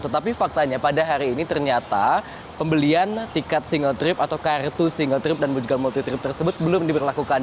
tetapi faktanya pada hari ini ternyata pembelian tiket single trip atau kartu single trip dan juga multi trip tersebut belum diberlakukan